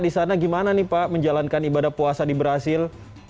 di sana gimana nih pak menjalankan ibadah puasa di brazil